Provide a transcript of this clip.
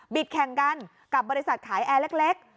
แข่งกันกับบริษัทขายแอร์เล็ก